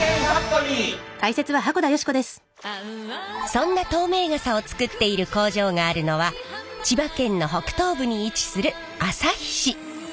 そんな透明傘を作っている工場があるのは千葉県の北東部に位置する旭市。